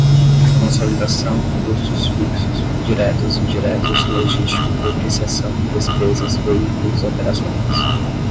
consolidação custos fixos diretos indiretos logístico depreciação despesas veículos operacionais